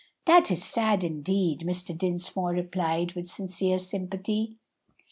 "That is sad, indeed," Mr. Dinsmore replied with sincere sympathy.